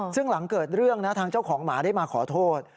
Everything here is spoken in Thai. ซึ่งหลังเกิดเรื่องนะทางเจ้าของหมาได้มาขอโทษ